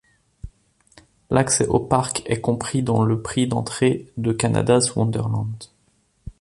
L’accès au parc est compris dans le prix d’entrée de Canada's Wonderland.